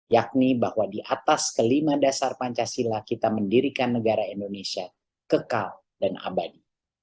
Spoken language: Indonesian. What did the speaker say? yakni bahwa di atas kelima dasar pancasila kita mendirikan negara indonesia kekal dan abadi